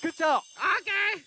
オーケー！